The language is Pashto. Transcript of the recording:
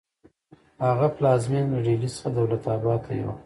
هغه پلازمینه له ډیلي څخه دولت اباد ته یوړه.